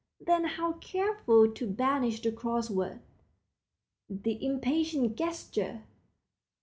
Then how careful to banish the cross word, the impatient gesture!